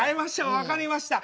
わかりました。